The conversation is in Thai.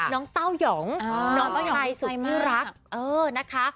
น้องเต้ายองน้องชายสุขรักษ์เออนะคะ